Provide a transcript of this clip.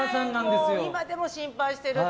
今でも心配してるって。